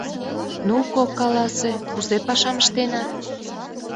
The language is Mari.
Ну-ко, каласе, кузе пашам ыштенат?